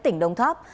tỉnh đông tháp